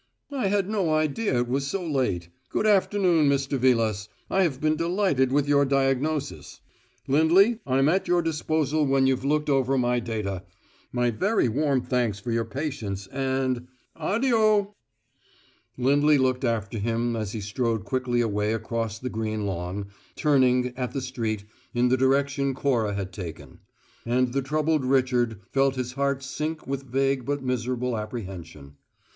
"I had no idea it was so late. Good afternoon. Mr. Vilas, I have been delighted with your diagnosis. Lindley, I'm at your disposal when you've looked over my data. My very warm thanks for your patience, and addio!" Lindley looked after him as he strode quickly away across the green lawn, turning, at the street, in the direction Cora had taken; and the troubled Richard felt his heart sink with vague but miserable apprehension.